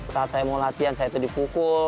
saat saya mau latihan saya itu dipukul